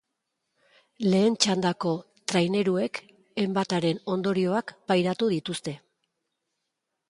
Lehen txandako traineruek enbataren ondorioak pairatu dituzte.